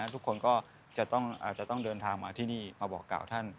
ทุกคนก็จะต้องเดินทางมาที่นี่มาบอกกล่าวท่าน